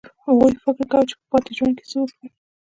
هغوی فکر کاوه چې په پاتې ژوند کې څه وکړي